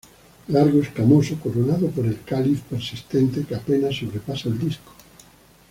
Largo, escamoso, coronado por el cáliz persistente, que apenas sobrepasa el disco.